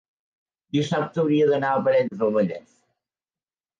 dissabte hauria d'anar a Parets del Vallès.